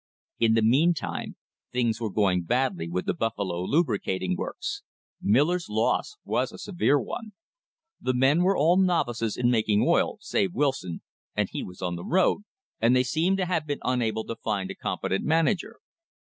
In the meantime things were going badly with the Buffalo Lubricating Works. Miller's loss was a severe one. The men were all novices in making oil, save Wilson, and he was on the road, and they seem to have been unable to find a competent manager.